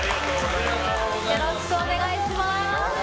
よろしくお願いします。